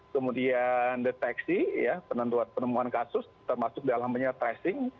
kemudian deteksi penentuan penemuan kasus termasuk dalamnya tracing